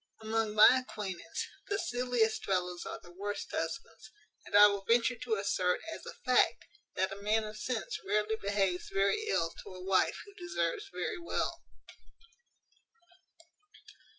Among my acquaintance, the silliest fellows are the worst husbands; and I will venture to assert, as a fact, that a man of sense rarely behaves very ill to a wife who deserves very well."